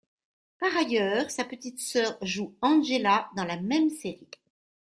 Par ailleurs, sa petite sœur joue Angela dans la même série.